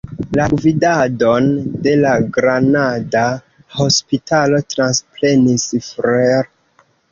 La gvidadon de la granada hospitalo transprenis Fr.